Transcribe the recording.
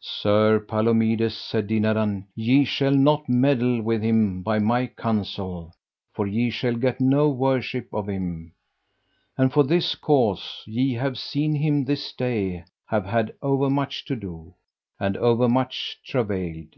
Sir Palomides, said Dinadan, ye shall not meddle with him by my counsel, for ye shall get no worship of him; and for this cause, ye have seen him this day have had overmuch to do, and overmuch travailed.